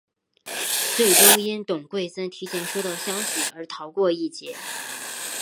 最终因董桂森提前收到消息而逃过一劫。